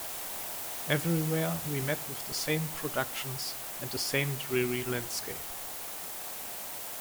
Everywhere we met with the same productions, and the same dreary landscape.